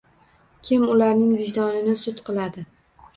Kim ularni vijdonini sud qiladi?